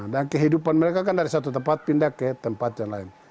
kehidupan mereka kan dari satu tempat pindah ke tempat yang lain